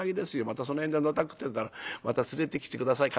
またその辺でのたくってたらまた連れてきて下さい。